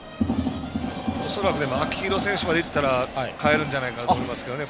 恐らく秋広選手までいったら代えるんじゃないかと思いますね。